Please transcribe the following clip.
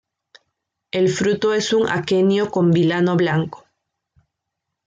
El fruto es un aquenio con vilano blanco.